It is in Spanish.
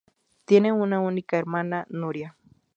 Tiene una única hermana, Núria.